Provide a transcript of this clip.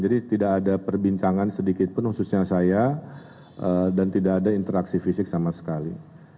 jadi tidak ada perbincangan sedikit pun khususnya saya dan tidak ada interaksi fisik sama sekali